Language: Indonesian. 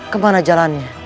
kemana jalan ini